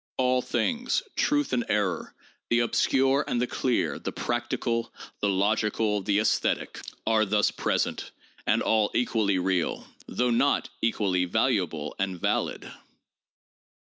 All things, truth and error, the ob scure and the clear, the practical, the logical, the esthetic, are thus present, and all equally real— though not equally valuable and valid.